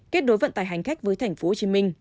kết đối vận tải hành khách với tp hcm